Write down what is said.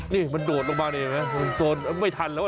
นี่มันโดดลงมาเลยไหมโซนไม่ทันแล้ว